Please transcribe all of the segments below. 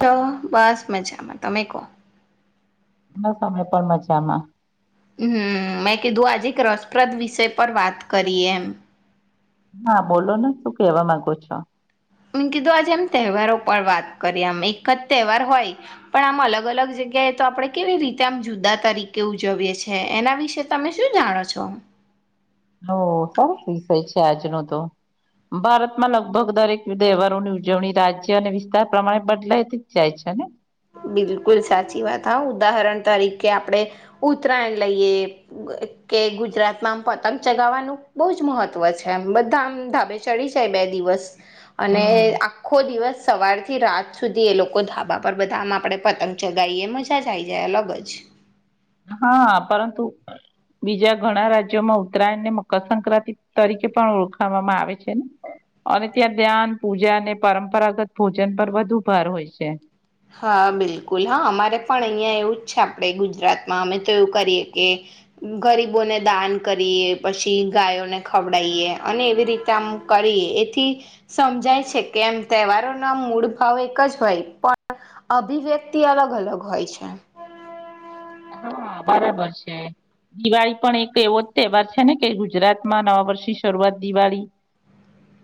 તો બસ મજામાં. તમેકો. બસ અમે પણ મજામાં. હમ, મેં કીધું આજે એક રસપ્રદ વિષય પર વાત કરીએ એમ. હા, બોલોને શું કેવા માંગો છો. મે કીધું આજે આમ તહેવારો પર વાત કરીએ આમ એક જ તહેવાર હોય પણ આમ અલગ અલગ જગ્યાએ તો આપણે કેવી રીતે આમ જુદા તરીકે ઉજવીએ છીએ એના વિશે તમે શું જાણો છો? [unintelligible] સરસ વિષય છે આજનો તો. ભારતમાં લગભગ દરેક તહેવારોની ઉજવણી રાજ્ય અને વિસ્તાર પ્રમાણે બદલાય જ જાય છે ને. બિલકુલ સાચી વાત હા, ઉદાહરણ તરીકે આપણે ઉત્તરાયણ લઈએ કે ગુજરાતમાં આમ પતંગ ચગાવવાનું બોજ મહત્વ છે આમ બધાં આમ ધાબે ચડી જાય બે દિવસ. અને આખો દિવસ સવારથી રાત સુધી એ લોકો ધાબા ઉપર બધાં આમ આપડે પતંગ ચગાવીએ મજા જ આવી જાય અલગ જ. હા, પરંતુ બીજા ઘણાં રાજ્યોમાં ઉત્તરાયણને મકરસક્રાંતિ તરીકે પણ ઓળખાવામાં આવે છે ને અને ત્યાં ધ્યાન પૂજા અને પરંપરાગત ભોજન પર વધુ ભાર હોય છે. હા બિલકુલ હા, અમારે પણ અહીયાં એવું જ છે આપણેે ગુજરાતમાં અમે તો એવું કરીએ કે ગરીબોને દાન કરીએ પછી ગાયોને ખવડાઈએ અને એવી રીતે આમ કરીએ એથી સમજાય છે કે એમ તહેવારોના મૂળ ભાવ એક જ હોય પણ અભિવ્યક્તિ અલગ અલગ હોય છે. હા બરાબર છે, દિવાળી પણ એક એવો જ તહેવાર છે ને કે ગુજરાતમાં નવા વર્ષની શરૂઆત દિવાળી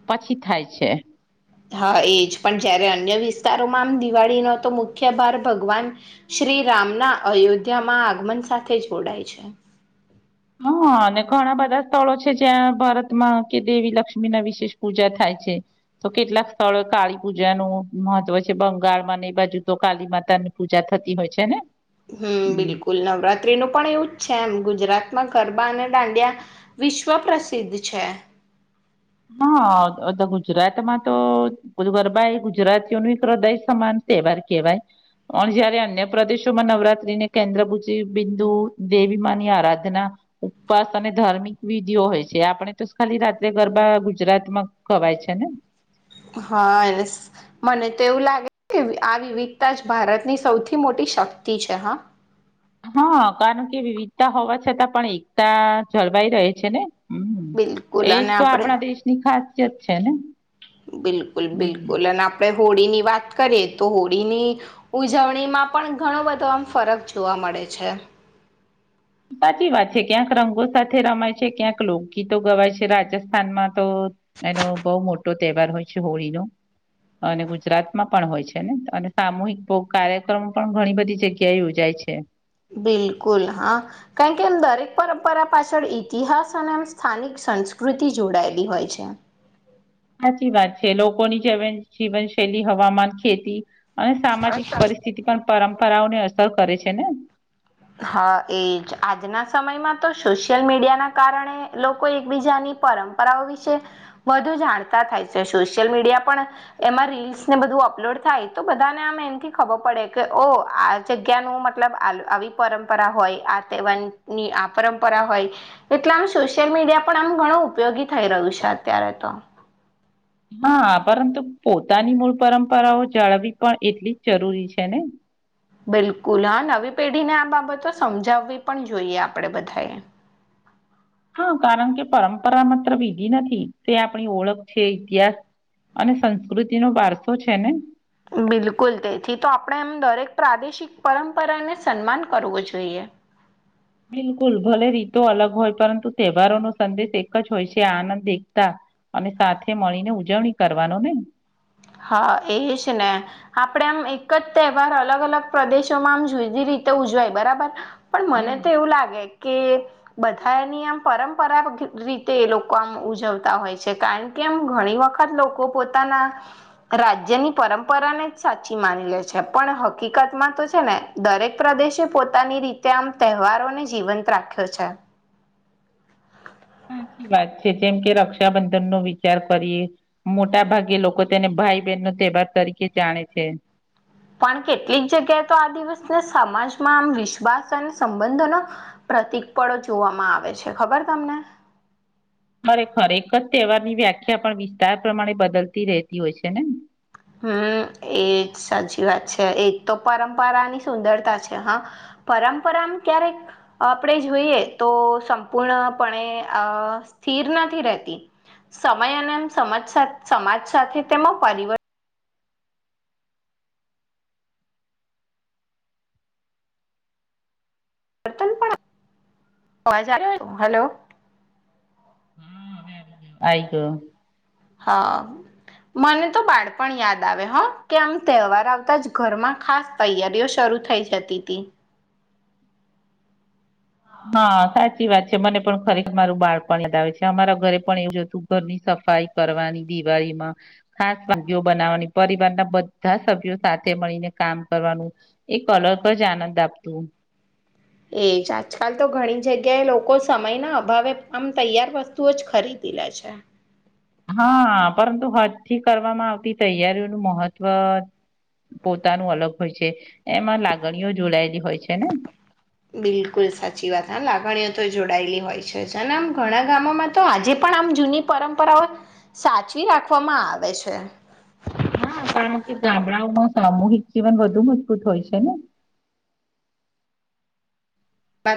પછી થાય છે. હા એજ, પણ જયારે અન્ય વિસ્તારોમાં આમ દિવાળીનો તો મુખ્ય ભાર ભગવાન શ્રી રામના અયોધ્યામાં આગમન સાથે જોડાય છે. હા, અને ઘણા બધા સ્થળો છે જ્યાં ભારતમાં કે દેવી લક્ષ્મીના વિશેષ પૂજા થાય છે તો કેટલાક સ્થળો કાળી પૂજાનું મહત્વ છે બંગાળમાં ને એ બાજુ તો કાળી માતાની પૂજા થતી હોય છે ને. હમ બિલકુલ, નવરાત્રીનું પણ એવું જ છે એમ ગુજરાત ગરબા અને દાંડિયા વિશ્વ પ્રસિદ્ધ છે. હા ગુજરાતમાં તો ગરબા એ ગુજરાતીઓનું એક હૃદય સમાન તહેવાર કેવાય પણ જયારે અન્ય પ્રદેશોમાં નવરાત્રીને કેન્દ્રભુજી બિંદુ, દેવી માની આરાધના, ઉપવાસ અને ધાર્મિક વિધિઓ હોય છે આપણે તો ખાલી રાત્રે ગરબા ગુજરાતમાં ખવાય છે ને [inaudible] હા, એને મને તો એવું લાગે આ વિવિધતા જ ભારતની સૌથી મોટી શક્તિ છે હા. હા, કારણ કે વિવિધતા હોવા છતાં પણ એકતા જળવાઈ રહે છેને. બિલકુલ એજ અને તો આપણે આપણા દેશની ખાસ [unintelligible] છેને. બિલકુલ બિલકુલ અને આપણે હોળીની વાત કરીએ તો હોળીની ઉજવણીમાં પણ ઘણો બધો આમ ફરક જોવા મળે છે. સાચી વાત છે, ક્યાંક રંગો સાથે રમાય છે, ક્યાંક લોકગીતો ગવાય છે રાજસ્થાનમાં તો એનો બહુ મોટો તહેવાર હોય છે હોળીનો અને ગુજરાતમાં પણ હોય છે ને અને સામૂહિક કાર્યક્રમો પણ ઘણી બધી જગ્યાએ યોજાય છે. બિલકુલ હા, કારણ કે એમ દરેક પરંપરા પાછળ ઈતિહાસ અને એમ સ્થાનિક સંસ્કૃતિ જોડાયેલી હોય છે. સાચી વાત છે, લોકોની જેવન જીવનશૈલી, હવામાન, ખેતી અને સામાજિક અચ્છા પરિસ્થિતિ પણ પરંપરાઓને અસર કરે છેને. હા એજ, આજના સમયમાં તો સોશિયલ મીડિયાનાં કારણે લોકો એકબીજાની પરંપરાઓ વિશે વધુ જાણતા થાય છે સોશિયલ મીડિયા પણ એમાં રીલ્સને બધું અપલોડ થાય તો બધાંને આમ એમથી ખબર પડે કે ઓ આ જગ્યાનું મતલબ આવી પરંપરા હોય આ તેહવાર ની આ પરંપરા હોય એટલે આમ સોશિયલ મીડિયા પણ આમ ઘણું ઉપયોગી થઈ રહ્યું છે અત્યારે તો. હા, પરંતુ પોતાની મૂળ પરંપરાઓ જાળવવી પણ એટલી જ જરૂરી છેને. બિલકુલ હા, નવી પેઢીને આ બાબતો સમજાવવી પણ જોઈએ આપણેે બધાંએ. હા, કારણ કે પરંપરા માત્ર વિધી નથી તે આપણી ઓળખ છે ઇતિહાસ અને સંસ્કૃતિનો વારસો છેને. બિલકુલ, તેથી તો આપણે એમ દરેક પ્રાદેશિક પરંપરાને સન્માન કરવું જોઈએ. બિલકુલ, ભલે રીતો અલગ હોય પરંતુ તહેવારોનો સંદેશ એક જ હોય છે આનંદ, એકતા અને સાથે મળીને ઉજવણી કરવાનો ને. હા, એજને આપણેે આમ એક જ તહેવાર અલગ અલગ પ્રદેશોમાં આમ જુદી રીતે ઉજવાય બરાબર. પણ મને હમ તો એવું લાગે કે બધા એની આમ પરંપરા રીતે એ લોકો આમ ઉજવતા હોય છે કારણ કે આમ ઘણી વખત લોકો પોતાના રાજ્યની પરંપરાને જ સાચી માની લે છે પણ હકીકતમાં તો છે ને દરેક પ્રદેશ પોતાની રીતે આમ તહેવારોને જીવંત રાખ્યો છે ી વાત છે જેમ કે રક્ષાબંધન નો વિચાર કરીએ મોટા ભાગે લોકો તેને ભાઈ બહેન નો તહેવાર તરીકે જાણે છે પણ કેટલીક જગ્યાએ તો આ દિવસને સમાજમાં આમ વિશ્વાસ અને સંબંધનો પ્રતિક પળો જોવામાં આવે છે ખબર તમને બરે ખર એક જ તહેવાર વ્યાખ્યા પણ વિસ્તાર પ્રમાણે બદલતી રહેતી હોય છે ને હમ એજ સાચી વાત છે એક તો પરંપરાની સુંદરતા છે હા પરંપરામાં ક્યારેક આપણે જોઈએ તો સંપૂર્ણપણે આ સ્થિર નથી રહેતી સમય અને સજ સમાજ સાથે તેમાં પરિવર્તન હલો આઈ ગ હા મને તો બાળપણ યાદ આવે હ કે આમ તહેવાર આવતા જ ઘરમાં ખાસ તૈયારીઓ શરૂ થઈ જતી હતી હા સાચી વાત છે મને પણ ખરેખર મારું બાળપણ યાદ આવે છે અમારા ઘરે પણ એવું જ હતું ઘરની સફાઈ કરવાની દિવાળીમાં ખાસ વાગ બનાવવાની પરિવારના બધા સભ્યો સાથે મળીને કામ કરવાનું એક અલગ જ આનંદ આપતું એજ આજકાલ તો ઘણી જગ્યાએ લોકો સમયના અભાવે આમ તૈયાર વસ્તુ જ ખરીદી લે છે હા પરંતુ હજથી કરવામાં આવતી તૈયારીઓનું મહત્વ પોતાનું અલગ હોય છે એમાં લાગણીઓ જોડાયેલી હોય છે ને બિલકુલ સાચી વાત હા લાગણી જોડાયેલી હોય છેને આમ ઘણા ગામોમાં તો આજે પણ આમ જૂની પરંપરાઓ સાચવી રાખવામાં આવે છે હા કારણ કે ગામડાઓમાં સામૂહિક જીવન વધુ મજબૂત હોય છે ને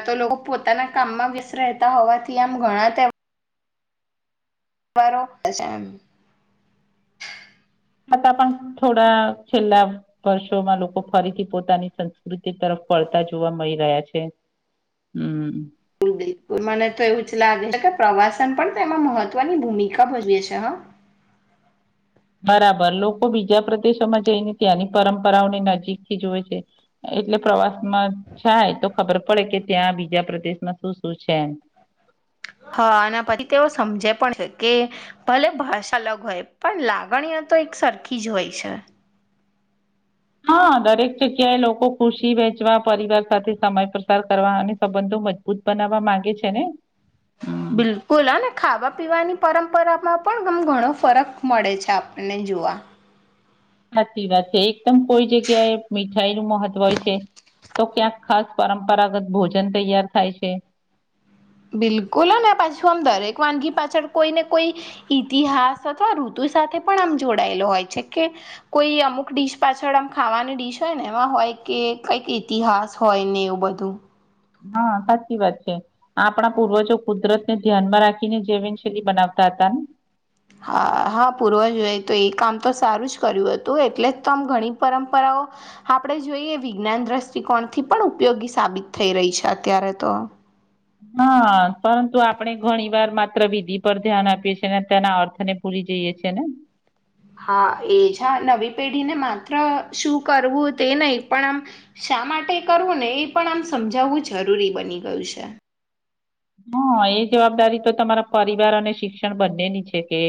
તો લોકો પોતાના કામમાં વ્યસ રહેતા હોવાથી આમ ઘણા તે રો તા પણ થોડા છેલ્લા વર્ષોમાં લોકો ફરીથી પોતાની સંસ્કૃતિ તરફ પળતા જોવા મળી રહ્યા છે હમ બિલકુલ મને તો એવું જ લાગે છે કે પ્રવાસન પણ તેમાં મહત્વની ભૂમિકા ભજવે છે હા બરાબર લોકો બીજા પ્રદેશોમાં જઈને ત્યાંની પરંપરાઓની નજીક થી જવે છે એટલે પ્રવાસમાં થાય તો ખબર પડે કે ત્યાં બીજા પ્રદેશમાં શું શું છે એમ. હા અને પછી તેઓ સમજે પણ છે કે ભલે ભ અલગ હોય પણ લાગણીય તો એક સરખી જ હોય છે હા દરેક જગ્યાએ લોકો ખુશી વહેંચવા પરિવાર સાથે સમય પસાર કરવા અને સંબંધો મજબૂત બનાવવા માંગે છે ને હમ્મ. બિલકુલ હ ને ખાવા પીવાની પરંપરા માં પણ ગમ ઘણો ફરક મળે છે આપણને જોવા સાચી વાત છે એકદમ કોઈ જગ્યાએ મીઠાઈ નું મહત્વ હોય છે તો ક્યાંક ખાસ પરંપરાગત ભોજન તૈયાર થાય છે બિલકુલ આ પાછું આમ દરેક વાનગી પાછળ કોઈ ને કોઈ ઈતિહાસ અથવા ઋતુ સાથે પણ આમ જોડાયેલો હોય છે કે કોઈ અમુક ડીશ પાછળ આમ ખાવાની ડીશ હોય ને એમાં હોય કે કઈક ઈતિહાસ હોય ને એવું બધું હા સાચી વાત છે આપણા પૂર્વજો કુદરત ને ધ્યાનમાં રાખીને જૈવન શૈલી બનાવતા હતા ને હા હા પૂર્વજોએ તો એ કામ તો સારું જ કર્યું હતું એટલે જ તોમ ઘણી પરંપરાઓ આપણે જોઈએ વિજ્ઞાન દ્રષ્ટિકોણથી પણ ઉપયોગી સાબિત થઈ રહી છે અત્યારે તો હા પરંતુ આપણે ઘણી વાર માત્ર વિધિ પર ધ્યાન આપીએ છેીએ ને તેના અર્થને ભૂલી જઈએ છેી ને હા એજ નવી પેઢીને માત્ર શું કરવું તે નહી પણ આમ શા માટે કરવું ને એ પણ આમ સમજાવવું જરૂરી બની ગયું છે હા એ જવાબદારી તો તમારા પરિવાર અને શિક્ષણ બંનેની છે કે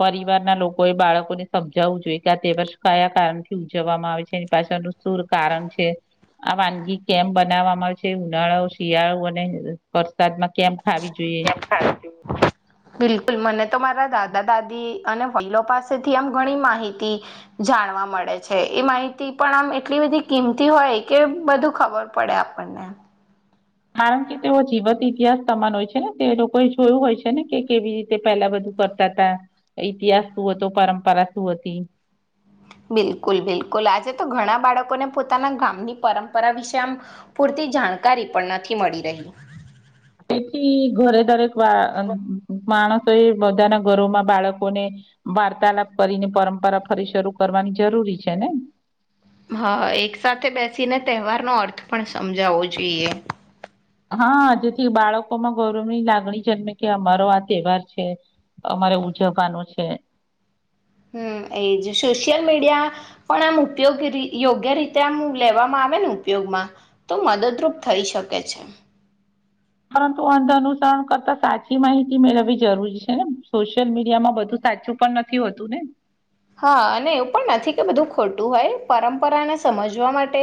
પરિવારના લોકોએ બાળકોને સમજાવવું જોઈએ કે આ તે વર્ષ કયા કારણથી ઉજવવામાં આવે છે એની પાછળનું સુર કારણ છે આ વાનગી કેમ બનાવવામાં આવે છે ઉનાળો શિયાળો અને સાદમાં કેમ ખાવી જોઈએ બિલકુલ મને તો મારા દાદા દાદી અને વલો પાસેથી આમ ઘણી માહિતી જાણવા મળે છે એ માહિતી પણ આમ એટલી બધી કિંમતી હોય કે બધું ખબર પડે આપણને કારણ કે તેઓ જીવત ઈતિહાસ તમાન હોય છે ને તે લોકો એ જોયું હોય છે ને કે કેવી રીતે પહેલા બધું કરતા હતા ઈતિહાસ શું હતો પરંપરા શું હતી બિલકુલ બિલકુલ આજે તો ઘણા બાળકોને પોતાના ગામની પરંપરા વિશે આમ પૂરતી જાણકારી પણ નથી મળી રહી તેથી ઘરે દરેક વા માણસો એ બધાના ઘરોમાં બાળકોને વાર્તાલાપ કરીને પરંપરા ફરી શરૂ કરવાની જરૂરી છે ને હા એક સાથે બેસીને તહેવારનોો અર્થ પણ સમજાવવો જોઈએ હા જેથી બાળકો માં ગૌરવ ની લાગણી જન્મે કે અમારો આ તહેવાર છે અમારે ઉજવવાનો છે હમ એજ સોશિયલ મીડિયા પણ આમ ઉપયોગ યોગ્ય રીતે આમ લેવામાં આવે ને ઉપયોગમાં તો મદદરૂપ થઈ શકે છે પરંતુ અંધ અનુસરણ કરતા સાચી માહિતી મેળવવી જરૂરી છે ને સોશિયલ મીડિયામાં બધું સાચું પણ નથી હોતું ને હા અને એવું પણ નથી કે બધું ખોટું હોય પરંપરાને સમજવા માટે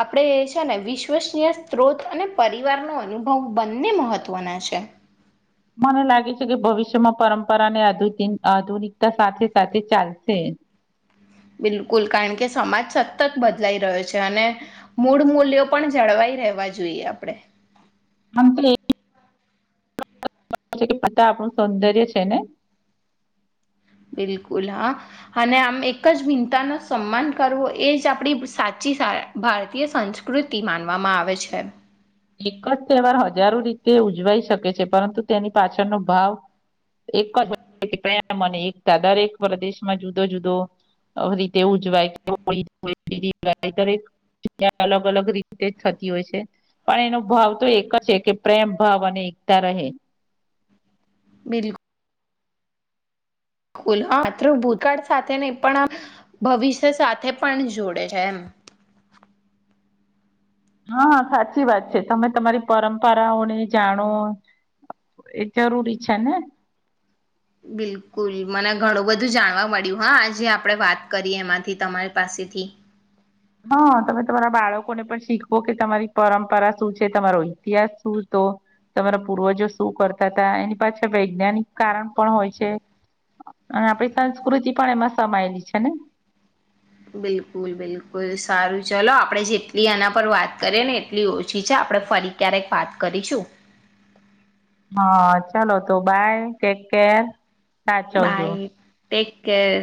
આપણે છે ને વિશ્વસનીય સ્ત્રોત અને પરિવારનો અનુભવ બંને મહત્વના છે મને લાગે છે કે ભવિષ્યમાં પરંપરાને આ આધુનિકતા સાથે સાથે ચાલશે બિલકુલ કારણ કે સમાજ સતત બદલાઈ રહ્યો છે અને મૂળ મૂલ્યો પણ જળવાઈ રહેવા જોઈએ આપણે [inaudible] કે પિતા આપણું સૌંદર્ય છે ને બિલકુલ હા અને આમ એક જ ભિનતા ન સન્માન કરવો એ જ આપડી સાચી ભારતીય સંસ્કૃતિ માનવામાં આવે છે એક જ તહેવાર હજારો રીતે ઉજવાઈ શકે છે પરંતુ તેની પાછળનો ભાવ એક જ ક મને એકતા દરેક પ્રદેશમાં જુદો જુદો રીતે ઉજવાય હોી દરેક અલગ અલગ રીતે જ થતી હોય છે પણ એનો ભાવ તો એક છે કે પ્રેમ ભાવ અને એકતા રહે બિકુલ ુલ માત્ર ભૂતકાળ સાથે નહી પણ ભવિષ્ય સાથે પણ જોડે છે એમ હા સાચી વાત છે તમે તમારી પરંપરાઓને જાણો એ જરૂરી છે ને બિલકુલ મને ઘણું બધું જાણવા મળ્યું હા આજે આપણે વાત કરીએ એમાંથી તમારી પાસેથી હા તમે તમારા બાળકોને પણ શીખવો કે તમારી પરંપરા શું છે તમારો ઇતિહાસ શું હતો તમારા પૂર્વજો શું કરતા હતા એની પાછા વૈજ્ઞાનિક કારણ પણ હોય છે અને આપણી સંસ્કૃતિ પણ એમાં સમાયેલી છે ને બિલકુલ બિલકુલ સારું ચલો આપણે જેટલી આના પર વાત કરીએ ને એટલી ઓછી છે આપડણે ફરી ક્યારેક વાત કરીશું હા ચાલો તો બાય ટેક કેર સાચવજુ બાય ટેક કેર